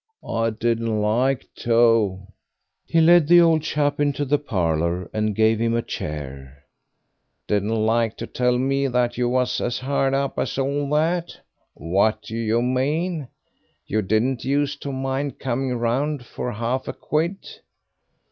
"I didn't like to." He led the old chap into the parlour and gave him a chair. "Didn't like to tell me that you was as hard up as all that? What do you mean? You didn't use to mind coming round for half a quid."